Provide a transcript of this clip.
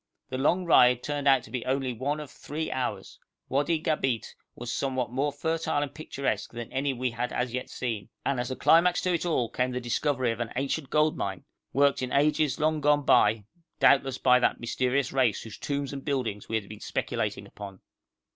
The long ride turned out only to be one of three hours. Wadi Gabeit was somewhat more fertile and picturesque than any we had as yet seen, and as a climax to it all came the discovery of an ancient gold mine, worked in ages long gone by doubtless by that mysterious race whose tombs and buildings we had been speculating upon.